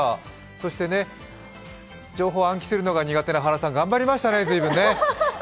そして、情報を暗記するのが苦手な原さん、随分頑張りましたね。